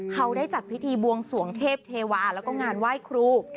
เขาได้จัดพิธีบวงสวงเทพเทวาแล้วก็งานไหว้ครู